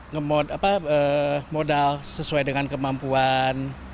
ngemodal sesuai dengan kemampuan